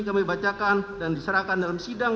kami bacakan dan diserahkan dalam sidang